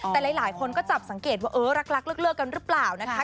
แต่หลายคนก็จับสังเกตว่าเออรักเลิกกันหรือเปล่านะคะ